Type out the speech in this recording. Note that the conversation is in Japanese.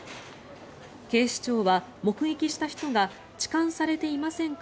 警視庁は目撃した人が痴漢されていませんか？